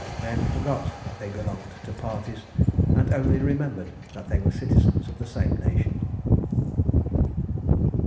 Men forgot that they belonged to parties, and only remembered that they were citizens of the same nation.